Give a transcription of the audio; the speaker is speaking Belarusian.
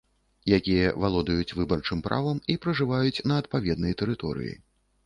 Якія валодаюць выбарчым правам і пражываюць на адпаведнай тэрыторыі.